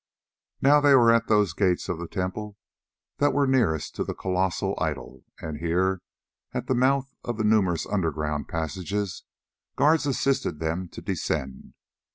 Now they were at those gates of the temple that were nearest to the colossal idol, and here, at the mouth of one of the numerous underground passages, guards assisted them to descend.